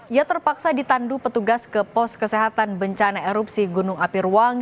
ia terpaksa ditandu petugas ke pos kesehatan bencana erupsi gunung api ruang